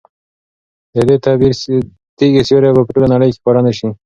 د دې تیږې سیوری به په ټوله نړۍ کې ښکاره نه شي.